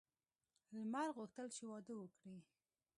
لمر غوښتل چې واده وکړي.